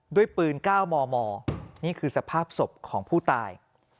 ด้วยปืน๙มมนี่คือสภาพศพของผู้ตาย